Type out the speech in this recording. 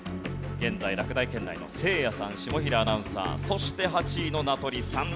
現在落第圏内のせいやさん下平アナウンサーそして８位の名取さん